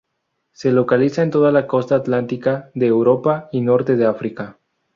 Se localiza en toda la costa atlántica de Europa y norte de África.